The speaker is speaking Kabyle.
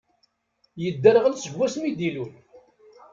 Yedderɣel seg wass mi d-ilul.